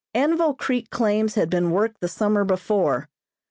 Anvil Creek claims had been worked the summer before.